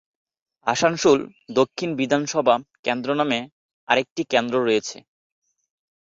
আসানসোল দক্ষিণ বিধানসভা কেন্দ্র নামে আরেকটি কেন্দ্র রয়েছে।